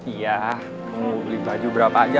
iya mau beli baju berapa aja